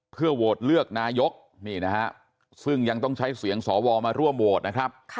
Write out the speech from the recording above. เพื่อโหวตเลือกนายกนี่นะฮะซึ่งยังต้องใช้เสียงสวมาร่วมโหวตนะครับ